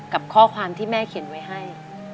กับข้อความที่แม่เขียนไว้ให้